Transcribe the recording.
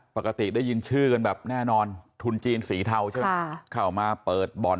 ปกติได้ยินชื่อกันแบบแน่นอนทุนจีนสีเทาใช่ไหมเข้ามาเปิดบ่อน